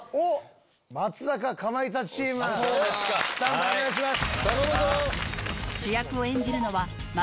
スタンバイお願いします。